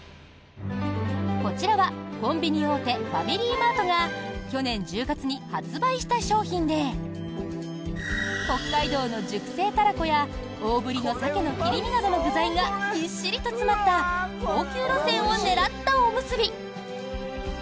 こちらはコンビニ大手ファミリーマートが去年１０月に発売した商品で北海道の熟成タラコや大ぶりのサケの切り身などの具材がぎっしりと詰まった高級路線を狙ったおむすび。